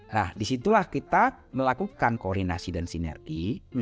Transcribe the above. nah disitulah kita melakukan koordinasi dan sinergi